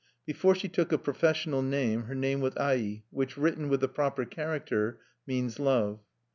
Before she took a professional name, her name was Ai, which, written with the proper character, means love.